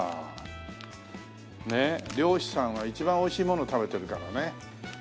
漁師さんは一番美味しいもの食べてるからね。